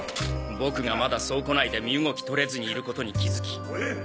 僕がまだ倉庫内で身動き取れずにいることに気付き。